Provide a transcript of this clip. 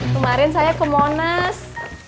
kemarin saya ke monas